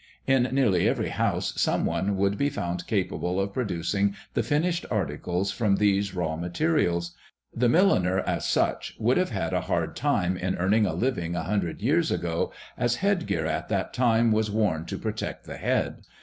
In nearly every house some one would be found capable of producing the finished articles from these raw materials. The milliner, as such, would have had a hard time in earning a living a hundred years ago, as head gear at that time was worn to protect the head.